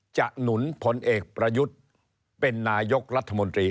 หนุนผลเอกประยุทธ์เป็นนายกรัฐมนตรี